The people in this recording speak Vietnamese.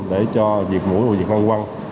để cho dịch mũi và dịch năng quăng